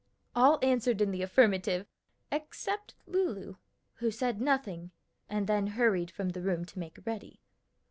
All answered in the affirmative, except Lulu, who said nothing, and then hurried from the room to make ready.